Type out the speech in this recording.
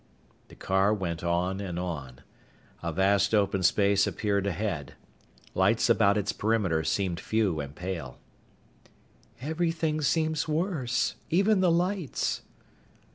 The car went on and on. A vast open space appeared ahead. Lights about its perimeter seemed few and pale. "Everything seems worse. Even the lights."